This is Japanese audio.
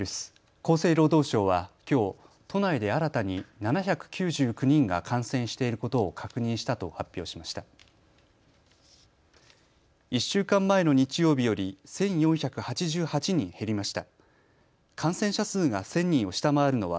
厚生労働省はきょう都内で新たに７９９人が感染していることを確認したと発表しました。